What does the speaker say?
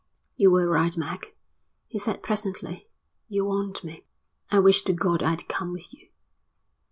"You were right, Mac," he said presently. "You warned me." "I wish to God I'd come with you."